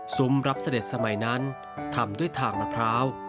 รับเสด็จสมัยนั้นทำด้วยทางมะพร้าว